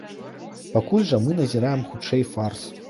Пакуль жа мы назіраем хутчэй фарс.